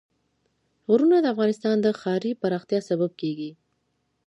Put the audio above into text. غرونه د افغانستان د ښاري پراختیا سبب کېږي.